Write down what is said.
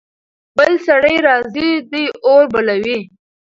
بل سړی راځي. دوی اور بلوي.